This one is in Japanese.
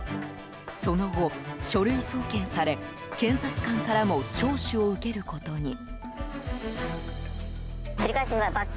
その後、書類送検され検察官からも聴取を受けることに。